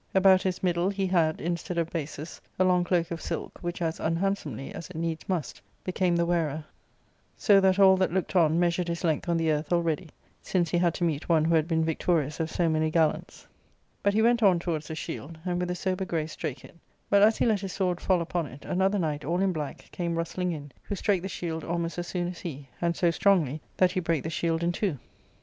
About his middle \ he had, instead of bases, a long cloalb of silk, which as un<* handsomely, as it needs must, became the wearer, so that all * ErIIMin — small enoin^ a favourite charge in heraldry, sym* bolical orpurity. 88 ARCADIA,— Book L that looked on measured his length on the earth already, since he had to meet one who had been victorious of so many gallants. But he went on towards the shield, and with a • sober grace strake it ; but as he let his sword fall upon it, another knight, all in black, came rustling in, who strake the shield almost as soon as he, and so strongly, that he brake the shield in two.